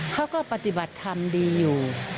เขาก็ปฏิบัติธรรมดีอยู่